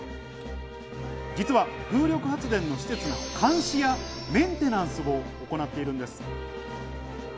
実は風力発電の施設の監視やメンテナンスを行っているんです。